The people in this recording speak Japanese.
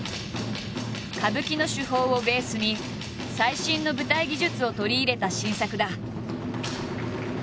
歌舞伎の手法をベースに最新の舞台技術を取り入れた新作だ。